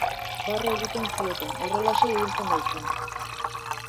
Barre egiten zioten, horrelaxe ibiltzen baitzen.